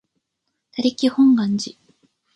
他力本願寺